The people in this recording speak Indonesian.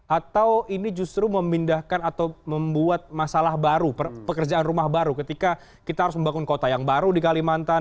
atau ini justru memindahkan atau membuat masalah baru pekerjaan rumah baru ketika kita harus membangun kota yang baru di kalimantan